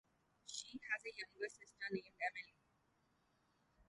She has a younger sister named Emilie.